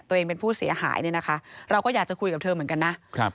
ตัวเองเป็นผู้เสียหายเนี่ยนะคะเราก็อยากจะคุยกับเธอเหมือนกันนะครับ